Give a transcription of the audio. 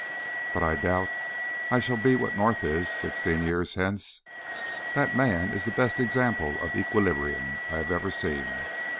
But I doubt if I shall be what North is, sixteen years hence. That man is the best example of equilibrium I have ever seen.